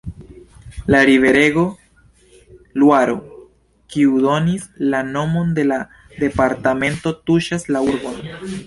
La riverego Luaro, kiu donis la nomon de la departemento, tuŝas la urbon.